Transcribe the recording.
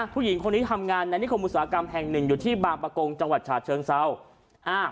ผู้หญิงคนนี้ทำงานในนิคมุสากรรมแห่ง๑อยู่ที่บางประกงจังหวัดชาติเชิงเซา